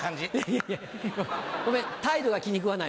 いやいやごめん態度が気に食わないわ。